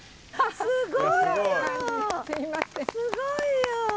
すごいよ。